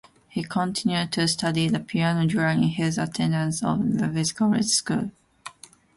He continued to study the piano during his attendance of Louisville Collegiate School.